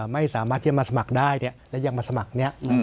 ไม่สามารถมาสมัครได้เนี่ยและยังมาสมัครเนี่ย